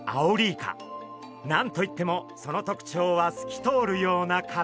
何と言ってもその特徴は透き通るような体！